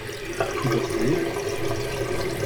Tut das weh?